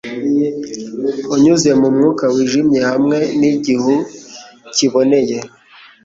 unyuze mu mwuka wijimye hamwe nigihu kiboneye